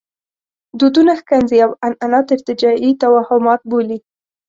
دودونه ښکنځي او عنعنات ارتجاعي توهمات بولي.